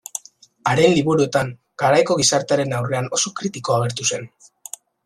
Haren liburuetan garaiko gizartearen aurrean oso kritiko agertu zen.